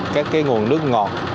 các nguồn nước ngọt